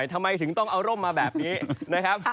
ทำไมถึงเอาร่มมาแบบนี้